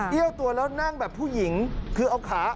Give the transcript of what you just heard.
ตัวแล้วนั่งแบบผู้หญิงคือเอาขา